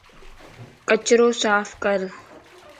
ڪچرو صاف ڪر